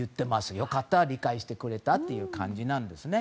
良かった、理解してくれたという感じですね。